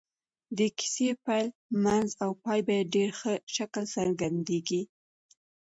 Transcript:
د کيسې پيل منځ او پای په ډېر ښه شکل څرګندېږي.